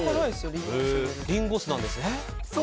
リンゴ酢なんですね。